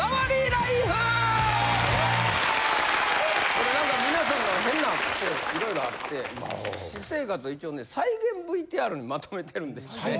これ何か皆さんの変なクセ色々あって私生活を一応ね再現ＶＴＲにまとめてるんですって。